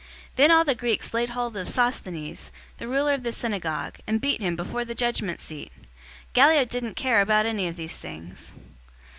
018:017 Then all the Greeks laid hold on Sosthenes, the ruler of the synagogue, and beat him before the judgment seat. Gallio didn't care about any of these things.